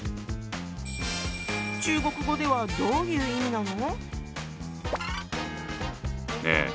中国語ではどういう意味なの？